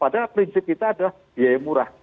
padahal prinsip kita adalah biaya murah